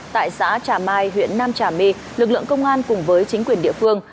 tại xã trà mai huyện nam trà my lực lượng công an cùng với chính quyền địa phương